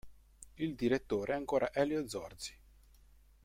Il direttore è ancora Elio Zorzi.